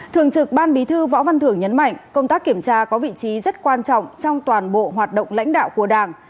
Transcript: thường trực ban bí thư võ văn thưởng nhấn mạnh công tác kiểm tra có vị trí rất quan trọng trong toàn bộ hoạt động lãnh đạo của đảng